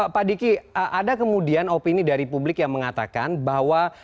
pak diki ada kemudian opini dari publik yang mengatakan bahwa